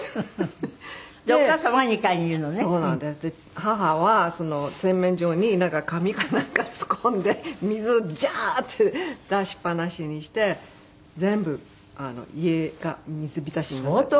母は洗面所に紙かなんか突っ込んで水をジャーッて出しっぱなしにして全部家が水浸しになっちゃった。